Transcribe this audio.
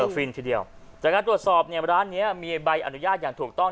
ฟินทีเดียวจากการตรวจสอบเนี่ยร้านนี้มีใบอนุญาตอย่างถูกต้อง